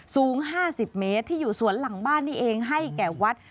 สูง๕๐เมตรที่อยู่สวนหลังบ้านนี่เองให้แก่วัด